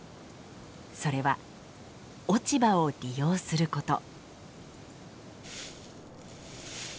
それは落ち葉を利用すること。